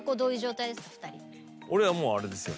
俺はもうあれですよ。